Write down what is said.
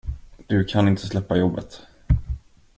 Du kan inte släppa jobbet.